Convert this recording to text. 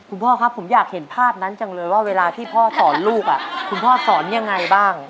พ่อครับผมอยากเห็นภาพนั้นจังเลยว่าเวลาที่พ่อสอนลูกคุณพ่อสอนยังไงบ้าง